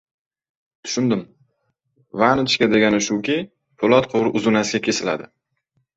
Tushundim. «Vannochka» degani shuki, po‘lat qu- vur uzunasiga kesiladi.